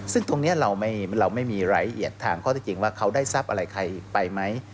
ซึ่งตรงนี้เราไม่มีรายละเอียดทางข้อที่จริงว่าเขาได้ทรัพย์อะไรใครไปไหม